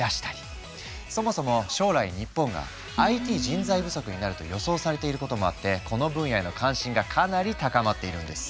そもそも将来日本がＩＴ人材不足になると予想されていることもあってこの分野への関心がかなり高まっているんです。